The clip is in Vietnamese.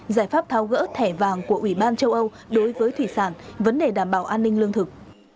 giải pháp tháo gỡ thẻ vàng của ủy ban châu âu đối với thủy sản vấn đề đảm bảo an ninh lương thực